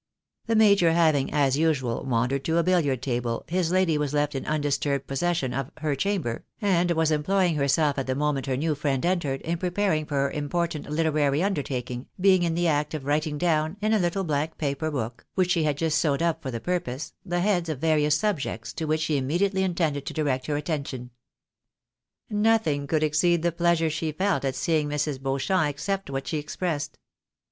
The major having, as usual, wandered to a billiard table, his lady was left in undisturbed posses sion of " her chamber," and was employing herself at the moment her new friend entered, in preparing for her important literary undertaking, being in the act of writing down, in a little blank paper book, which she had just sewed up for the purpose, the heads of various subjects to which she immediately intended to direct her attentibn. Nothing could exceed the pleasure she felt at seeing Mrs. Beauchamp, except what she expressed.